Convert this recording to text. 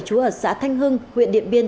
chúa ở xã thanh hưng huyện điện biên